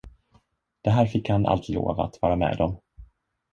Det här fick han allt lov att vara med om.